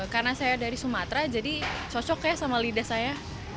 karena saya dari sumatera jadi cocok ya sama lidah saya